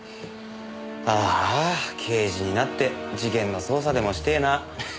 ああ刑事になって事件の捜査でもしてえな。